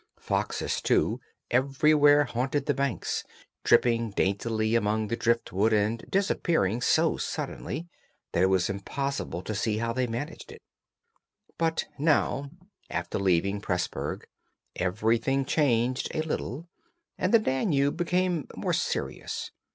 Foxes, too, everywhere haunted the banks, tripping daintily among the driftwood and disappearing so suddenly that it was impossible to see how they managed it. But now, after leaving Pressburg, everything changed a little, and the Danube became more serious.